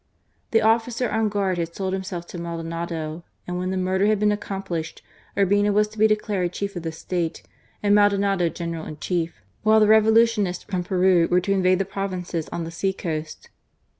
The officer on guard had sold himself to Maldonado, and when the murder had been accomplished, Urbina was to be declared Chief of the State and Maldonado General in Chief> while the Revolutionists from Peru were to invade the provinces on the sea coast.